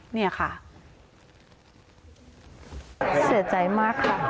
เสียใจมากค่ะ